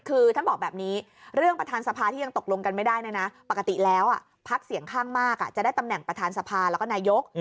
คือท่านบอกแบบนี้เรื่องประธานสภาที่ยังตกลงกันไม่ได้เนี่ยนะปกติแล้วพักเสียงข้างมากจะได้ตำแหน่งประธานสภาแล้วก็นายก